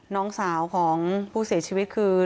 น้องสาวของผู้เสียชีวิตคือ